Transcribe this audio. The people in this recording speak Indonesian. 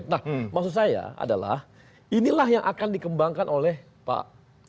nah maksud saya adalah inilah yang akan dikembangkan oleh pak jokowi